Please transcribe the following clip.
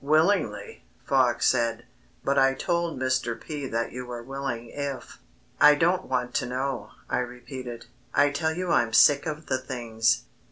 '" "Willingly," Fox said, "but I told Mr. P. that you were willing if...." "I don't want to know," I repeated. "I tell you I'm sick of the things."